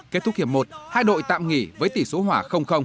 kết thúc hiểm một hai đội tạm nghỉ với tỷ số hỏa